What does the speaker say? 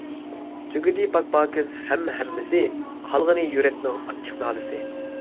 تۈگىدى پاكپاكىز ھەممە ھەممىسى، قالغىنى يۈرەكنىڭ ئاچچىق نالىسى.